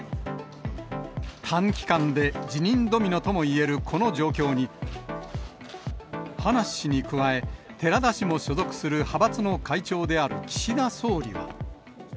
短期間で辞任ドミノとも言えるこの状況に、葉梨氏に加え、寺田氏も所属する派閥の会長である岸田総理は。